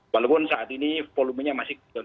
walaupun saat ini volumenya masih